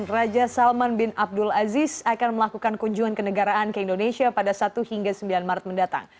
raja salman bin abdul aziz akan melakukan kunjungan ke negaraan ke indonesia pada satu hingga sembilan maret mendatang